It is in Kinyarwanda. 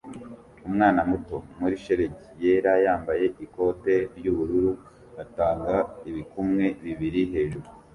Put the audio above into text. umwana muto muri shelegi yera yambaye ikote ry'ubururu atanga ibikumwe bibiri hejuru